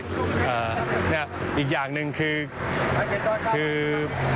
อ่าเนี่ยอีกอย่างหนึ่งคือ